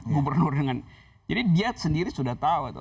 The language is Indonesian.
gubernur dengan jadi dia sendiri sudah tahu